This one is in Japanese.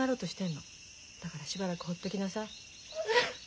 だからしばらくほっときなさい。